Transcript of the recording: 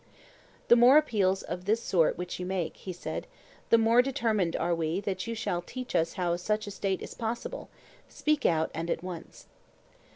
The more appeals of this sort which you make, he said, the more determined are we that you shall tell us how such a State is possible: speak out and at once.